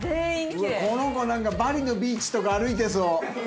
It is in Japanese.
この子なんかバリのビーチとか歩いてそう。